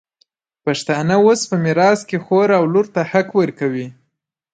پښتانه اوس په میراث کي خور او لور ته حق ورکوي.